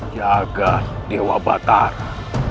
jaga dewa batara